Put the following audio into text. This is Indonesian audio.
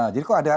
jadi kalau ada